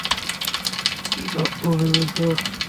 কী ভাববো ভেবেছো?